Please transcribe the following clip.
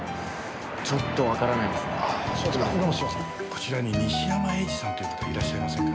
こちらに西山英司さんという方いらっしゃいませんか？